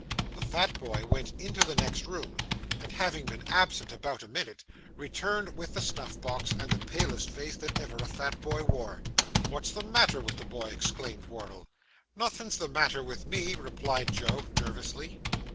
The fat boy went into the next room; and, having been absent about a minute, returned with the snuff box, and the palest face that ever a fat boy wore. 'What's the matter with the boy?' exclaimed Wardle. 'Nothen's the matter with me,' replied Joe nervously.